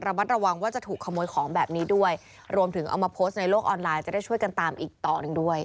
มัดระวังว่าจะถูกขโมยของแบบนี้ด้วยรวมถึงเอามาโพสต์ในโลกออนไลน์จะได้ช่วยกันตามอีกต่อหนึ่งด้วย